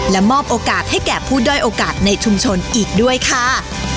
และมอบโอกาสให้แก่ผู้ด้อยโอกาสในชุมชนอีกด้วยค่ะ